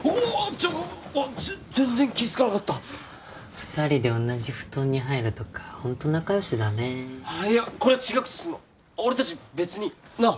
ちょっ全然気づかなかった二人で同じ布団に入るとかホント仲よしだねいやこれは違くてその俺達別になっ！